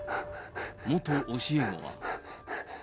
元教え子は。